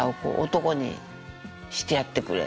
「男にしてやってくれ」。